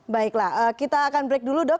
baiklah kita akan break dulu dok